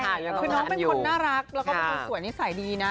คือน้องเป็นคนน่ารักแล้วก็เป็นคนสวยนิสัยดีนะ